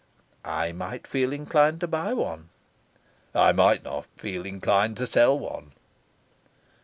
"I might feel inclined to buy one." "I might not feel inclined to sell one."